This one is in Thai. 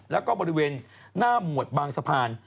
แล้วก็บริเวณหน้าหมวดบางสะพาน